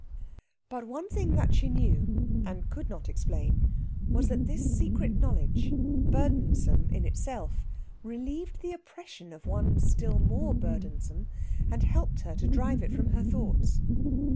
But one thing that she knew (and could not explain) was that this secret knowledge, burdensome in itself, relieved the oppression of one still more burdensome, and helped her to drive it from her thoughts.